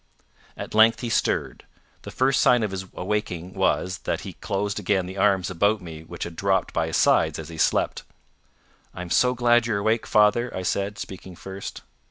At length he stirred. The first sign of his awaking was, that he closed again the arms about me which had dropped by his sides as he slept. "I'm so glad you're awake, father," I said, speaking first.